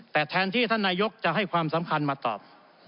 แต่แทนที่ท่านนายกจะให้ความสำคัญมาตอบ